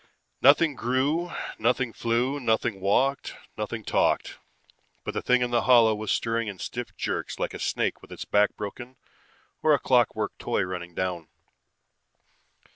Nothing grew, nothing flew, nothing walked, nothing talked. But the thing in the hollow was stirring in stiff jerks like a snake with its back broken or a clockwork toy running down.